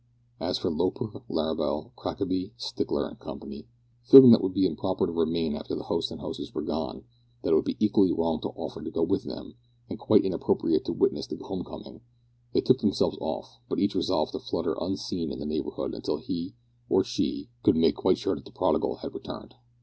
As for Loper, Larrabel, Crackaby, Stickler, and Company feeling that it would be improper to remain after the host and hostess were gone; that it would be equally wrong to offer to go with them, and quite inappropriate to witness the home coming, they took themselves off, but each resolved to flutter unseen in the neighbourhood until he, or she, could make quite sure that the prodigal had returned.